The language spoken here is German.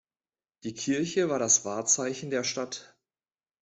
Die Kirche war das Wahrzeichen der Stadt.